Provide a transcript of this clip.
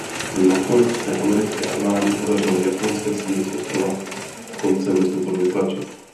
Nakonec se americké armádě podařilo japonské síly z ostrova koncem listopadu vytlačit.